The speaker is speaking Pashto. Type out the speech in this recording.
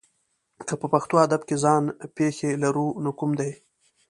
که په پښتو ادب کې ځان پېښې لرو نو کوم دي؟